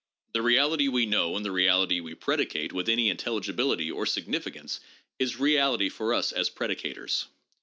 The reality we know and the reality we predicate with any intelligibility or sig nificance is reality for us as predicators.